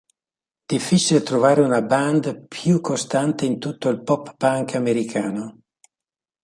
Difficile trovare una band più costante in tutto il pop-punk americano".